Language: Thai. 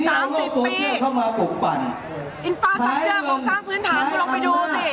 อินฟาซอสเจอร์โครงสร้างพื้นฐานคุณลองไปดูสิ